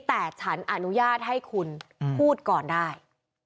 แต่ฉันอนุญาตให้คุณพูดก่อนได้